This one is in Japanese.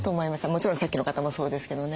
もちろんさっきの方もそうですけどね。